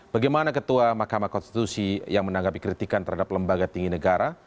bagaimana ketua mahkamah konstitusi yang menanggapi kritikan terhadap lembaga tinggi negara